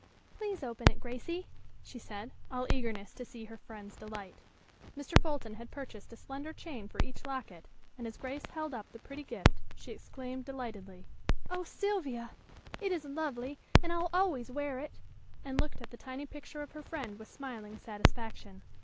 "Please open it, Gracie!" she said, all eagerness to see her friend's delight. Mr. Fulton had purchased a slender chain for each locket, and as Grace held up the pretty gift she exclaimed delightedly: "Oh, Sylvia! It is lovely, and I'll always wear it," and looked at the tiny picture of her friend with smiling satisfaction.